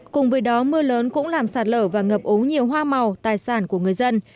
cùng với đó mưa lớn cũng làm sạt lở và ngập úng nhiều hoa màu tài sản của người dân